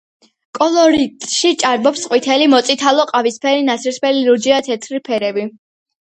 კოლორიტში ჭარბობს ყვითელი, მოწითალო-ყავისფერი, ნაცრისფერი, ლურჯი და თეთრი ფერები.